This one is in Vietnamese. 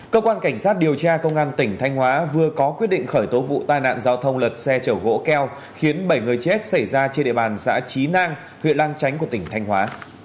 cơ quan cảnh sát điều tra công an tỉnh thanh hóa vừa có quyết định khởi tố vụ tai nạn giao thông lật xe chở gỗ keo khiến bảy người chết xảy ra trên địa bàn xã trí nang huyện lang chánh của tỉnh thanh hóa